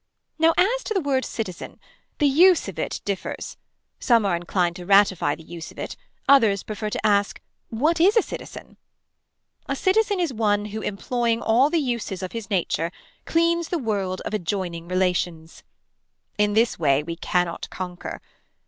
Now as to the word citizen. The use of it differs. Some are inclined to ratify the use of it others prefer to ask what is a citizen. A citizen is one who employing all the uses of his nature cleans the world of adjoining relations. In this way we cannot conquer.